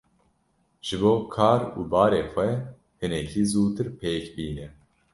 Ji bo kar û barê xwe hinekî zûtir pêk bîne.